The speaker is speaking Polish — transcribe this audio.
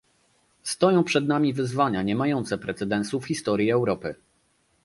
Stoją przed nami wyzwania niemające precedensu w historii Europy